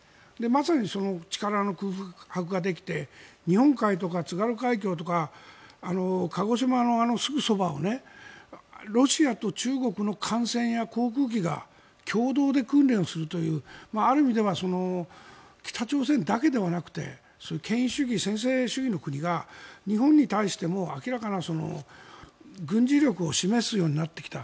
まさにその力の空白ができて日本海とか津軽海峡とか鹿児島のすぐそばをロシアと中国の艦船や航空機が共同で訓練をするというある意味では北朝鮮だけではなくて権威主義、専制主義の国が日本に対しても明らかな軍事力を示すようになってきた。